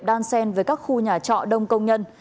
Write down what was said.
đan sen với các khu nhà trọ đông công nhân